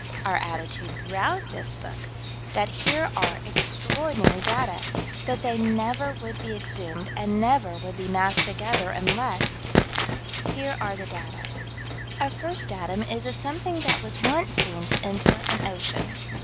Our attitude throughout this book: That here are extraordinary data that they never would be exhumed, and never would be massed together, unless Here are the data: Our first datum is of something that was once seen to enter an ocean.